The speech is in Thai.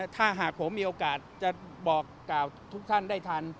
ถ้าหากผมมีโอกาสจะบอกกล่าวทุกท่านได้ทัน